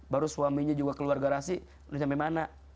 baru suaminya juga keluar garasi udah sampai mana